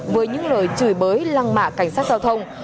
với những lời chửi bới lăng mạ cảnh sát giao thông